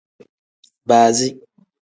Baazi.